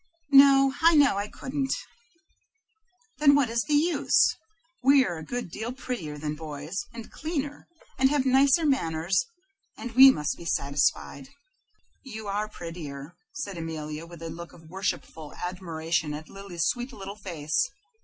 "No. I know I couldn't." "Then what is the use? We are a good deal prettier than boys, and cleaner, and have nicer manners, and we must be satisfied." "You are prettier," said Amelia, with a look of worshipful admiration at Lily's sweet little face.